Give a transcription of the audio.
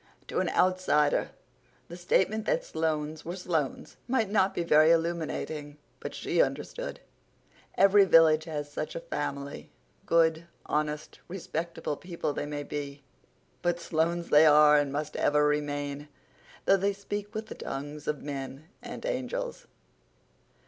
To an outsider, the statement that Sloanes were Sloanes might not be very illuminating, but she understood. Every village has such a family; good, honest, respectable people they may be, but Sloanes they are and must ever remain, though they speak with the tongues of men and angels.